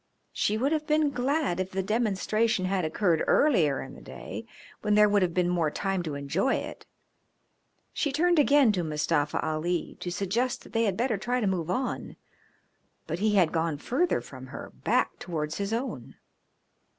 She would have been glad if the demonstration had occurred earlier in the day, when there would have been more time to enjoy it. She turned again to Mustafa Ali to suggest that they had better try to move on, but he had gone further from her, back towards his own.